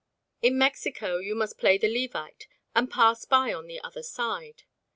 In Mexico you must play the Levite and "pass by on the other side."